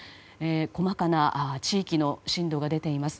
細かな地域の震度が出ています。